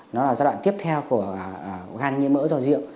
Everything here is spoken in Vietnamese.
nó là giai đoạn tiếp theo của gan nhiễm mỡ do rượu